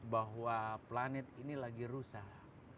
bahwa planet ini lagi rusak